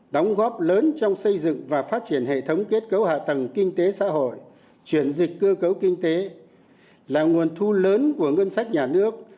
đóng góp lớn trong xây dựng và phát triển hệ thống kết cấu hạ tầng kinh tế xã hội chuyển dịch cơ cấu kinh tế là nguồn thu lớn của ngân sách nhà nước